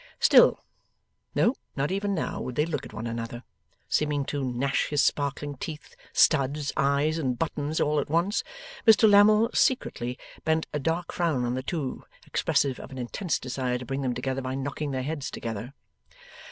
Still, no not even now, would they look at one another. Seeming to gnash his sparkling teeth, studs, eyes, and buttons, all at once, Mr Lammle secretly bent a dark frown on the two, expressive of an intense desire to bring them together by knocking their heads together.